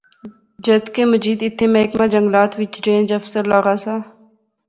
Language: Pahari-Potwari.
جد کہ مجید ایتھیں محکمہ جنگلات وچ رینج آفیسر لاغا سا